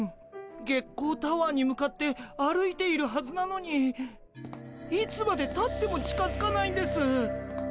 月光タワーに向かって歩いているはずなのにいつまでたっても近づかないんです。